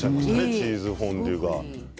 チーズフォンデュは。